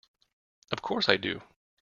Of course I do!